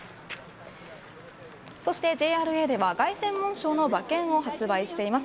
ＪＲＡでは凱旋門賞の馬券を発売しています。